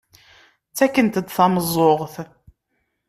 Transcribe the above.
Ttakkent-d tameẓẓuɣt.